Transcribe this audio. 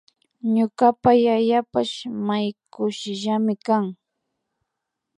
Ñukapa yayapash may kushillami kan